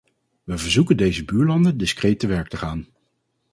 We verzoeken deze buurlanden discreet te werk te gaan.